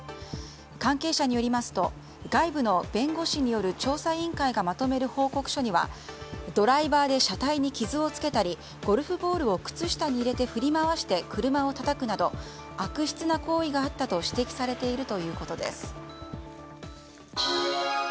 関係者によりますと外部の弁護士による調査委員会がまとめる報告書にはドライバーで車体に傷をつけたりゴルフボールを靴下に入れて振り回して車をたたくなど悪質な行為があったと指摘されているということです。